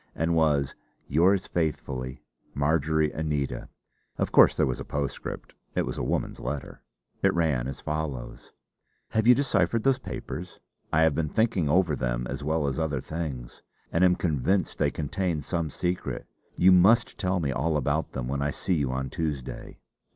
And was "yours faithfully, 'Marjory Anita.'" Of course there was a postscript it was a woman's letter! It ran as follows: "Have you deciphered those papers? I have been thinking over them as well as other things, and I am convinced they contain some secret. You must tell me all about them when I see you on Tuesday.